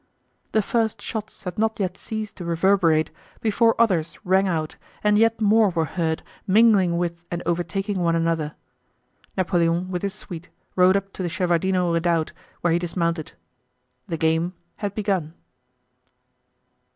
The first shots had not yet ceased to reverberate before others rang out and yet more were heard mingling with and overtaking one another. Napoleon with his suite rode up to the Shevárdino Redoubt where he dismounted. The game had begun.